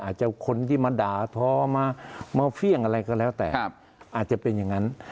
อาจจะคนที่มาด่าท้อมาเฟี่ยงอะไรก็แล้วแต่อาจจะเป็นอย่างนั้น